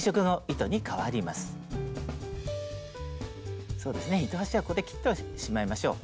糸端はここで切ってしまいましょう。